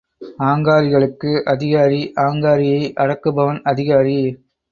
ஆங்காரிகளுக்கு அதிகாரி, ஆங்காரியை அடக்குபவன் அதிகாரி.